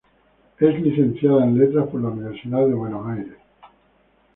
Es Licenciada en Letras por la Universidad de Buenos Aires.